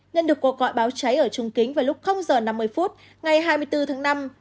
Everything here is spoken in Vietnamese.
nhân được cuộc gọi báo cháy ở trung kính vào lúc giờ năm mươi phút ngày hai mươi bốn tháng năm